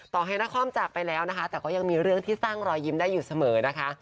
ต่อให้นครจากไปแล้วนะคะแต่ก็ยังมีเรื่องที่สร้างรอยยิ้มได้อยู่เสมอนะคะ